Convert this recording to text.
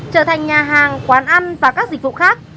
trở thành nhà hàng quán ăn và các dịch vụ khác